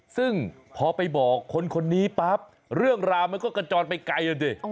ซึ่งพอไปบอกคนนี้ปั๊บเรื่องราวมันก็กระจอนไปไกลแล้วดิ